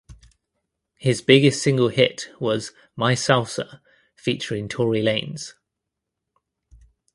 His biggest single hit was "My Salsa" featuring Tory Lanez.